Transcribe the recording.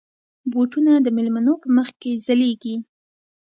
بوټونه د مېلمنو په مخ کې ځلېږي.